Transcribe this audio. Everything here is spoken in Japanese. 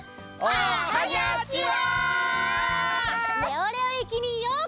おはにゃちは。